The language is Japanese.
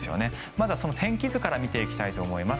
まず天気図から見ていきたいと思います。